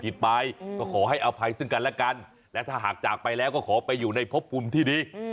และถ้าหากจากไปแล้วก็ขอไปอยู่ในพบคุมที่ดี